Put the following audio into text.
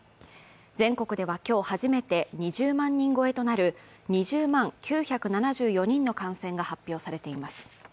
全国では今日初めて２０万人超えとなる２０万９７４人の感染が発表されています。